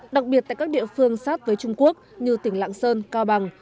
đặc biệt tại các địa phương sát với trung quốc như tỉnh lạng sơn cao bằng